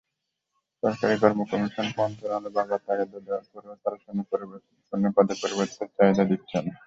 সরকারি কর্মকমিশন মন্ত্রণালয়ে বারবার তাগাদা দেওয়ার পরেও তারা শূন্যপদের বিপরীতে চাহিদা দিচ্ছে না।